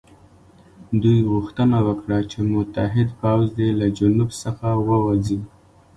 دوی غوښتنه وکړه چې متحد پوځ دې له جنوب څخه ووځي.